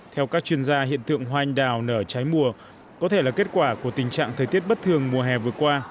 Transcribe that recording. theo các chuyên gia hiện tượng hoa anh đào nở trái mùa có thể là kết quả của tình trạng thời tiết bất thường mùa hè vừa qua